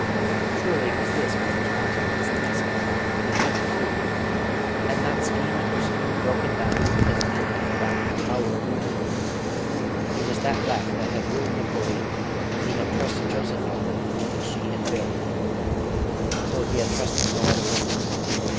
Surely it was this which was wanted against the Masons; and women, too. Had not scheme after scheme broken down because men had forgotten the power of women? It was that lack that had ruined Napoleon: he had trusted Josephine, and she had failed him; so he had trusted no other woman.